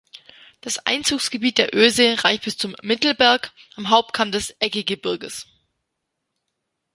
Das Einzugsgebiet der Öse reicht bis zum "Mittelberg" am Hauptkamm des Eggegebirges.